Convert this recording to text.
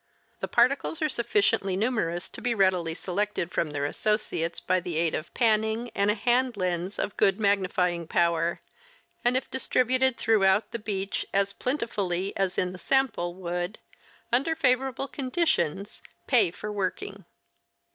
The particles are sufficiently numerous to be readily selected from their associates by the aid of " panning " and a hand lens of good magnifying power, and if distributed throughout the beach as plentifully as in the sample would, under favorable conditions, pay for working.